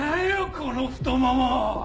この太もも。